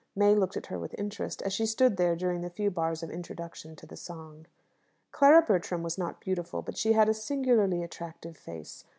May looked at her with interest, as she stood there during the few bars of introduction to the song. Clara Bertram was not beautiful, but she had a singularly attractive face.